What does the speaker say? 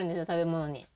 食べ物に。